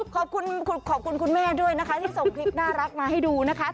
ขอบคุณขอบคุณคุณแม่ด้วยนะคะที่ส่งคลิปน่ารักมาให้ดูนะคะ